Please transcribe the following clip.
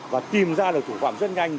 và tìm ra được chủ phạm rất nhanh